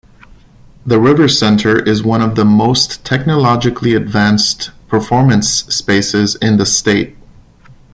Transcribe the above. The RiverCenter is one of the most technologically advanced performance spaces in the state.